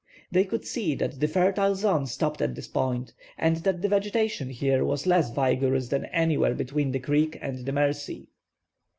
They could see that the fertile zone stopped at this point, and that the vegetation here, was less vigorous than anywhere between the creek and the Mercy.